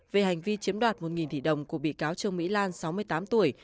về hành vi chiếm đoạt một tỷ đồng của bị cáo trương mỹ lan sáu mươi tám tuổi